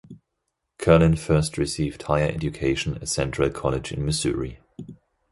Kerlin first received higher education at Central College in Missouri.